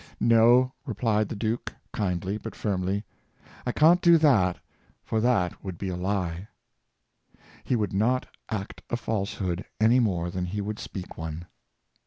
"No," replied the duke, kindly but firmly; " I can't do that, for that would be a lie." He would not act a falsehood any more than he would speak one.